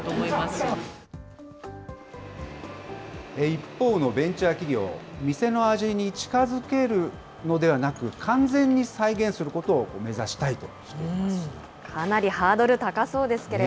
一方のベンチャー企業、店の味に近づけるのではなく、完全に再現することを目指したいとかなりハードル高そうですけ